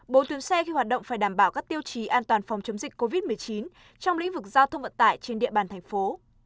bốn tuyến xe khi hoạt động phải đảm bảo các tiêu chí an toàn phòng chống dịch covid một mươi chín trong lĩnh vực giao thông vận tải trên địa bàn thành phố